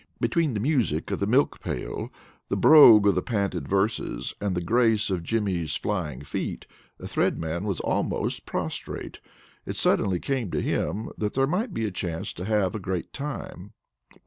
Between the music of the milk pail, the brogue of the panted verses, and the grace of Jimmy's flying feet, the Thread Man was almost prostrate. It suddenly came to him that here might be a chance to have a great time.